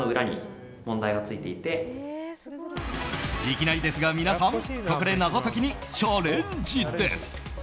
いきなりですが、皆さんここで謎解きにチャレンジです。